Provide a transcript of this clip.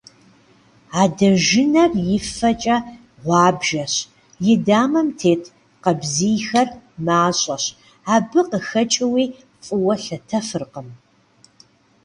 Адэжынэр и фэкӏэ гъуабжэщ, и дамэм тет къабзийхэр мащӏэщ, абы къыхэкӏууи фӏыуэ лъэтэфыркъым.